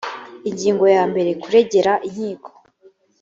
ingingo ya mbere kuregera inkiko